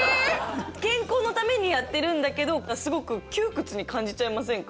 健康のためにやってるんだけどすごく窮屈に感じちゃいませんか？